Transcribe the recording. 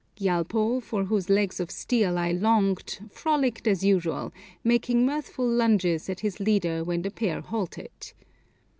Gyalpo, for whose legs of steel I longed, frolicked as usual, making mirthful lunges at his leader when the pair halted.